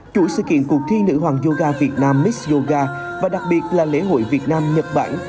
chuỗi sự kiện cuộc thi nữ hoàng yoga việt nam mic yoga và đặc biệt là lễ hội việt nam nhật bản